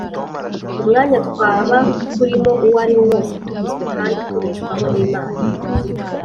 Umwanya twaba turimo uwo ari wo wose, tugizwe kandi tubeshwaho n’Imana